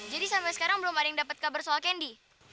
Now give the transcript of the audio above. jadi sampai sekarang belum ada yang dapat kabar soal candy